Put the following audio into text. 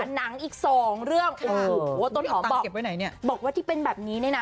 หนังอีก๒เรื่องโอ้โหต้นหอมบอกว่าที่เป็นแบบนี้เนี่ยนะ